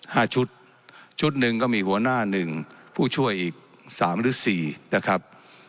ห้าชุดชุดหนึ่งก็มีหัวหน้าหนึ่งผู้ช่วยอีกสามหรือสี่นะครับ